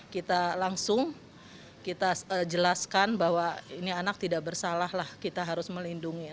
kita langsung kita jelaskan bahwa ini anak tidak bersalah lah kita harus melindungi